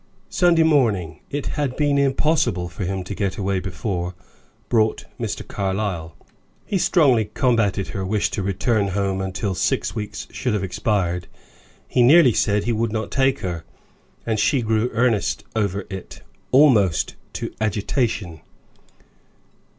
Sunday morning it had been impossible for him to get away before brought Mr. Carlyle. He strongly combatted her wish to return home until six weeks should have expired, he nearly said he would not take her, and she grew earnest over it, almost to agitation.